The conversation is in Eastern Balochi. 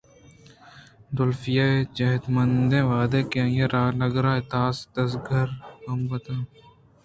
ڈلفیءِ جہمنند وہدے آئی ءَ را نُگرہ ءِ تاس ءِ دزّگ ءِ بُہتام ءَ